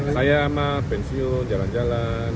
saya mah pensiun jalan jalan